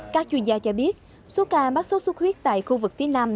các chuyên gia cho biết số ca mắc sốt xuất huyết tại khu vực phía nam